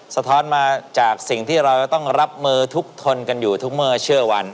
สะท้อนมาจากสิ่งที่เราจะต้องรับมือทุกทนกันอยู่ทุกเมื่อเชื่อวัน